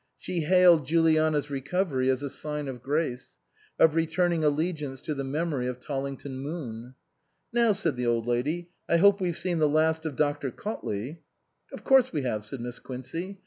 She hailed Juliana's recovery as a sign of grace, of returning allegiance to the memory of Tollington Moon. " Now," said the Old Lady, " I hope we've seen the last of Dr. Cautley." " Of course we have," said Miss Quincey.